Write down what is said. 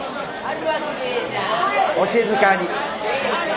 お静かに。